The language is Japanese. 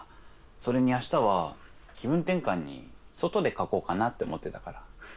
それにあしたは気分転換に外でかこうかなって思ってたから。